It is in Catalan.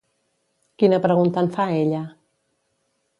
Quina pregunta en fa ella?